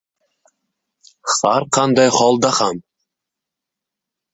Har qanday holda ham